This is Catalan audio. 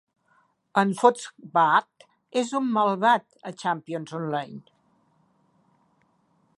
En Foxbat és un malvat a "Champions Online".